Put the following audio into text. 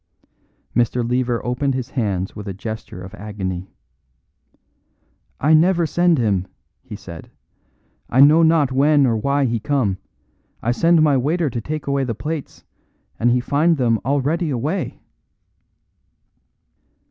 Mr. Lever opened his hands with a gesture of agony. "I never send him," he said. "I know not when or why he come. I send my waiter to take away the plates, and he find them already away."